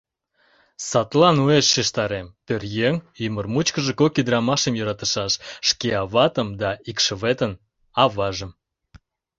Садлан уэш шижтарем: пӧръеҥ ӱмыр мучкыжо кок ӱдырамашым йӧратышаш: шке аватым да икшыветын аважым.